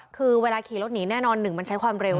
คือเวลาขี่รถหนีแน่นอนหนึ่งมันใช้ความเร็ว